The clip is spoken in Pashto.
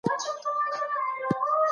ایا مسلکي بڼوال پسته پروسس کوي؟